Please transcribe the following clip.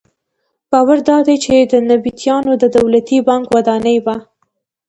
باور دادی چې دا د نبطیانو د دولتي بانک ودانۍ وه.